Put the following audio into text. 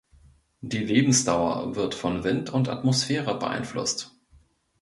Die Lebensdauer wird von Wind und Atmosphäre beeinflusst.